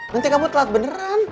nanti kamu telat beneran